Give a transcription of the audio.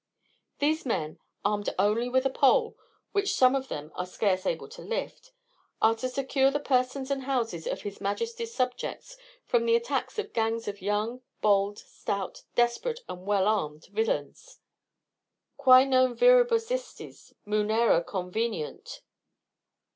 These men, armed only with a pole, which some of them are scarce able to lift, are to secure the persons and houses of his majesty's subjects from the attacks of gangs of young, bold, stout, desperate, and well armed villains. Quae non viribus istis Munera conveniunt.